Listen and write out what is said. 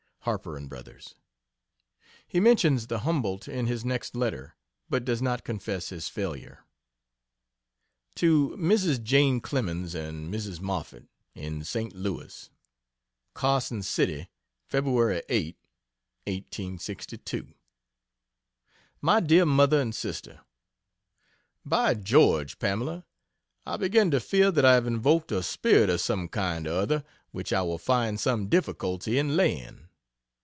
Harper & brothers.] He, mentions the Humboldt in his next letter, but does not confess his failure. To Mrs. Jane Clemens and Mrs. Moffett, in St. Louis: CARSON CITY, Feb. 8, 1862. MY DEAR MOTHER AND SISTER, By George Pamela, I begin to fear that I have invoked a Spirit of some kind or other which I will find some difficulty in laying.